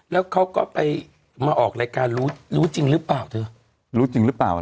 แล้วเค้าก็ไปมาออกรายการรู้จริงหรือเปล่า